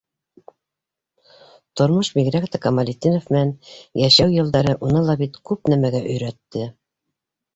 Тормош, бигерәк тә Камалетдинов менән йәшәү йылдары, уны ла бит күп нәмәгә өйрәтте.